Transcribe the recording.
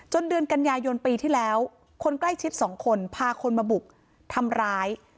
เดือนกันยายนปีที่แล้วคนใกล้ชิดสองคนพาคนมาบุกทำร้าย